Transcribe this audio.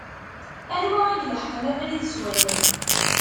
Anwa i ileḥqen abrid s wallen?